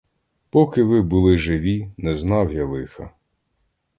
Поки ви були живі, не знав я лиха.